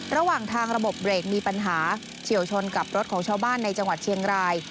ระหว่างทางระบบเบรกมีปัญหาเฉียวชนกับรถของชาวบ้านในจังหวัดเชียงราย